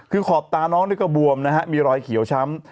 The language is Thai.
คือขอบตาน้องนี่ก็บวมนะฮะมีรอยเขียวช้ำ